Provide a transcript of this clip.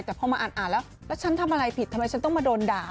แต่พอมาอ่านแล้วแล้วฉันทำอะไรผิดทำไมฉันต้องมาโดนด่า